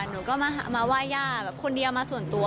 หนูก็มาว่าย่าแบบคนนี้มาส่วนตัว